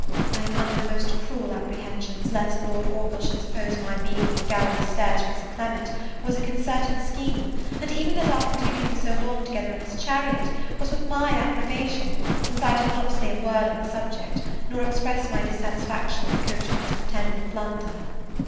I am under the most cruel apprehensions lest Lord Orville should suppose my being on the gallery stairs with Sir Clement was a concerted scheme, and even that our continuing so long together in his chariot was with my approbation, since I did not say a word on the subject, nor express my dissatisfaction at the coachman's pretended blunder.